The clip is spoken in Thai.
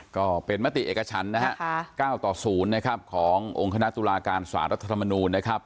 ก็เป็นมติเอกชั้น๙ต่อ๐ขององค์คณะตุลาการสารรัฐธรรมนูล